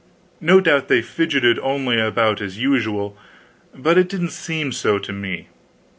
No doubt they fidgeted only about as usual, but it didn't seem so to me.